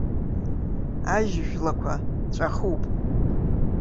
Ажь жәлақәа ҵәахуп.